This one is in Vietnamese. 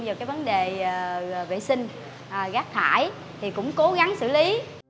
giờ cái vấn đề vệ sinh gác thải thì cũng cố gắng xử lý